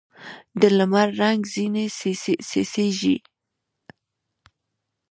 د لمر رنګ ځیني څڅېږي